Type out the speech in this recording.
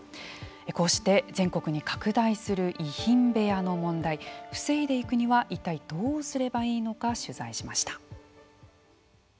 こうして全国に拡大する遺品部屋の問題を防いでいくには一体、どうすればいいのか取材しました。